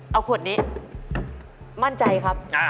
เอาขวดนี้มั่นใจครับ